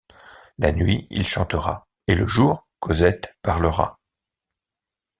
La nuit il chantera, et le jour Cosette parlera.